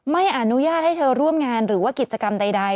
ไม่อนุญาตให้เธอร่วมงานหรือว่ากิจกรรมใด